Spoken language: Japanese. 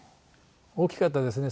大きかったですね